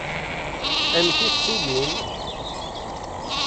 Amek i tettilim?